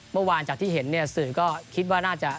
เมื่อวานจากที่เห็นเนี่ยสื่อก็คิดว่าน่าจะ